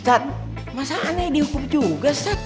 ustadz masa aneh dihukum juga ustadz